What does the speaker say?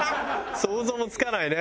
想像もつかないね。